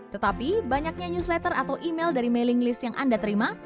tetapi banyaknya news letter atau email dari mailing list yang anda terima